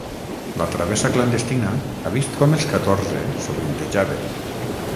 La travessa clandestina ha vist com els catorze sovintejaven.